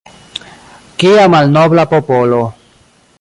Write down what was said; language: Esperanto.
Kia malnobla popolo.